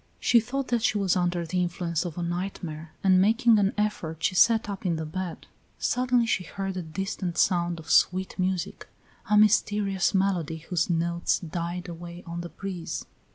She thought that she was under the influence of a nightmare, and making an effort she sat up in the bed. Suddenly she heard a distant sound of sweet music, a mysterious melody whose notes died away on the breeze.